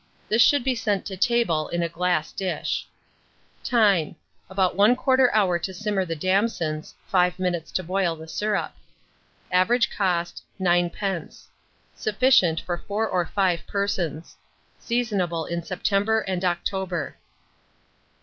This should be sent to table in a glass dish. Time. About 1/4 hour to simmer the damsons; 5 minutes to boil the syrup. Average cost, 9d. Sufficient for 4 or 5 persons. Seasonable in September and October.